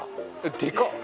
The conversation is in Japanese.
でかっ！